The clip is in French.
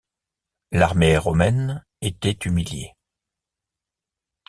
L'armée romaine étaient humiliées.